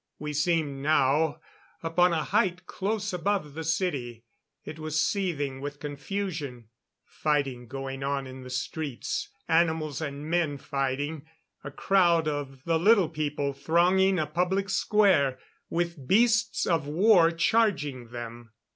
We seemed now upon a height close above the city. It was seething with confusion. Fighting going on in the streets. Animals and men, fighting; a crowd of the Little People thronging a public square, with beasts of war charging them.